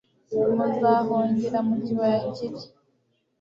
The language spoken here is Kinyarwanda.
Muzahungira mu kibaya kiri